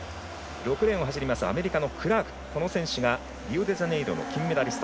６レーンを走るアメリカのクラークはリオデジャネイロの金メダリスト。